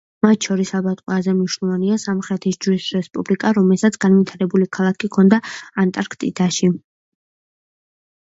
მათ შორის ალბათ ყველაზე მნიშვნელოვანია „სამხრეთის ჯვრის რესპუბლიკა“, რომელსაც განვითარებული ქალაქი ჰქონდა ანტარქტიკაში.